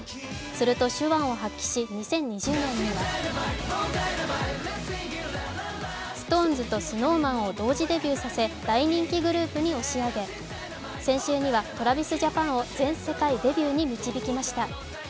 すると手腕を発揮し、２０２０年にはＳｉｘＴＯＮＥＳとＳｎｏｗＭａｎを同時デビューさせ大人気グループに押し上げ先週にはＴｒａｖｉｓＪａｐａｎを全世界デビューに導きました。